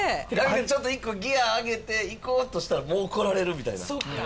ちょっと一個ギヤ上げて行こうとしたらもう来られるみたいなそっか！